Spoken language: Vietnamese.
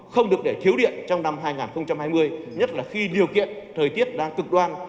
không được để thiếu điện trong năm hai nghìn hai mươi nhất là khi điều kiện thời tiết đang cực đoan